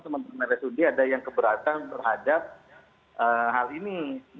teman teman rsud ada yang keberatan terhadap hal ini